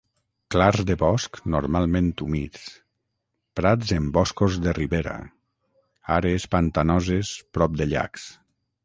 Clars de bosc normalment humits, prats en boscos de ribera, àrees pantanoses prop de llacs.